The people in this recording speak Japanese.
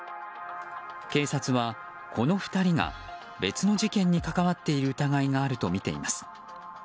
警察は、この２人が別の事件に関わっている疑いがあるとみています。